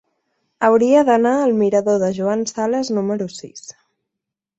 Hauria d'anar al mirador de Joan Sales número sis.